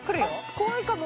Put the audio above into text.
怖いかも。